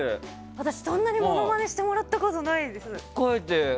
私、そんなにモノマネしてもらったことないです。